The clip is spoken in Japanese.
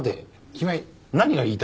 君は何が言いたいの？